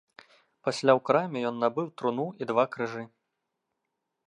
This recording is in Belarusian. Пасля ў краме ён набыў труну і два крыжы.